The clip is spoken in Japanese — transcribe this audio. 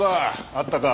あったか？